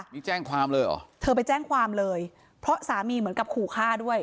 นี่แจ้งความเลยเหรอเธอไปแจ้งความเลยเพราะสามีเหมือนกับขู่ฆ่าด้วย